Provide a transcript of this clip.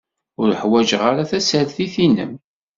Ur ḥwaǧeɣ ara tasertit-inem.